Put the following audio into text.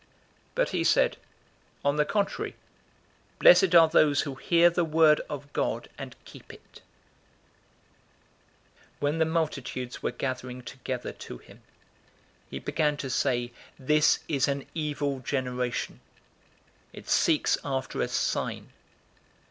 011:028 But he said, "On the contrary, blessed are those who hear the word of God, and keep it." 011:029 When the multitudes were gathering together to him, he began to say, "This is an evil generation. It seeks after a sign.